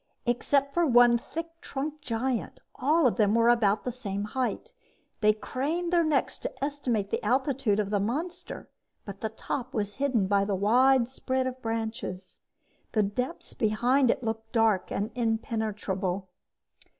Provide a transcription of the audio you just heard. Except for one thick trunked giant, all of them were about the same height. They craned their necks to estimate the altitude of the monster, but the top was hidden by the wide spread of branches. The depths behind it looked dark and impenetrable.